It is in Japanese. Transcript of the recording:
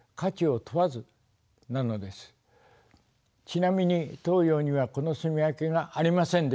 ちなみに東洋にはこの棲み分けがありませんでした。